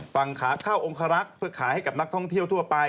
ฝั่งขาเข้าองคารักษ์เพื่อขายให้กับนักท่องเที่ยวทั่วไป